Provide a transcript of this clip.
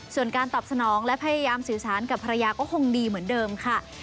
ส่วนการตอบสนองและพยายามสื่อสารกับภรรยาก็คงดีเหมือนเดิมค่ะ